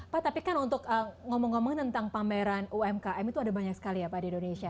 pak tapi kan untuk ngomong ngomong tentang pameran umkm itu ada banyak sekali ya pak di indonesia